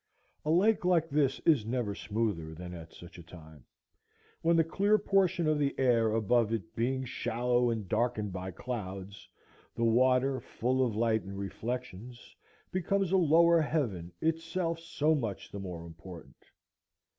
A lake like this is never smoother than at such a time; and the clear portion of the air above it being shallow and darkened by clouds, the water, full of light and reflections, becomes a lower heaven itself so much the more important.